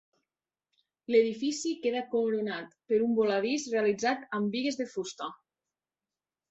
L'edifici queda coronat per un voladís realitzat amb bigues de fusta.